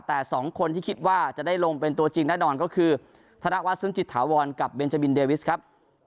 แต่สองคนที่คิดว่าจะได้ลงเป็นตัวจริงแน่นอนก็คือธนวัฒนซึ้งจิตถาวรกับเบนจาบินเดวิสครับ